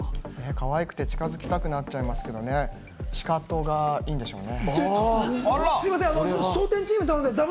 可愛くて近づきたくなっちゃいますけれどもね、「シカト」がいいんでしょうね。